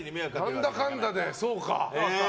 何だかんだで、そうか。